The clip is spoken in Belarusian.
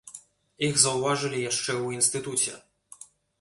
Іх заўважылі яшчэ ў інстытуце.